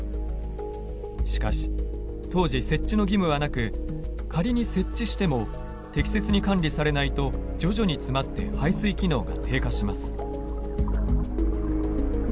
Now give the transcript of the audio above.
しかし当時設置の義務はなく仮に設置しても適切に管理されないと徐々に詰まって排水機能が低下します。